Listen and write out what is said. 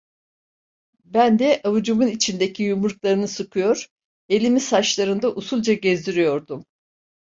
Ben de avucumun içindeki yumruklarını sıkıyor, elimi saçlarında usulca gezdiriyordum.